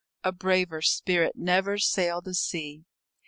A braver spirit never sailed the sea.